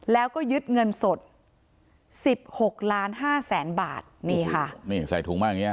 แล้วก็ยึดเงินสด๑๖ล้าน๕แสนบาท